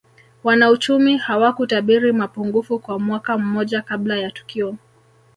Wanauchumi hawakutabiri mapungufu kwa mwaka mmoja kabla ya tukio